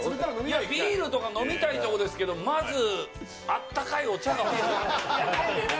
ビールとか飲みたいとこですけど、まずあったかいお茶を。